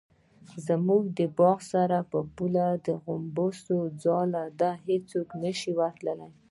زموږ د باغ سره په پوله د غومبسو ځاله ده څوک نشي ورتلی.